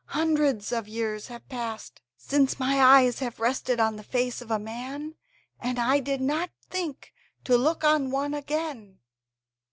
Hundreds of years have passed since my eyes have rested on the face of a man, and I did not think to look on one again.".